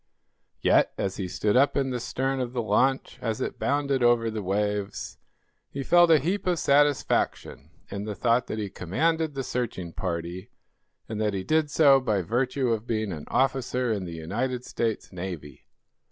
Yet, as he stood up in the stern of the launch, as it bounded over the waves, he felt a heap of satisfaction in the thought that he commanded the searching party, and that he did so by virtue of being an officer in the United States Navy.